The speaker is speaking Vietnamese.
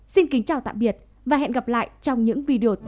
xin kính chào tạm biệt và hẹn gặp lại trong những video tiếp theo